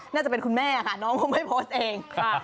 น่าจะเป็นคุณแม่ค่ะน้องเขาไม่โพสต์เอง